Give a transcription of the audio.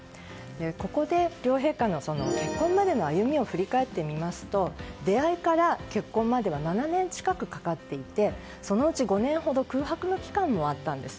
ここで両陛下の結婚までの歩みを振り返ってみますと出会いから結婚までは７年近くかかっていてそのうち５年ほど空白の期間もあったんです。